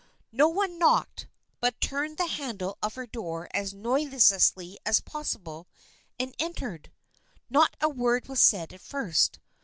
No one knocked, but turned the handle of her door as noiselessly as possible and entered. Not a word was said at first.